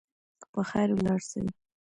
په خیر ولاړ سئ.